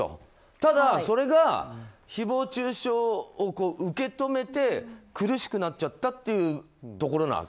ただ、それが誹謗中傷を受け止めて苦しくなっちゃったというところなわけ？